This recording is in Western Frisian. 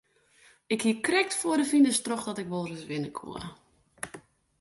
Ik hie krekt foar de finish troch dat ik wol ris winne koe.